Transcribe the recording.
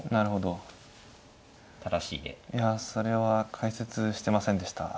いやそれは解説してませんでした。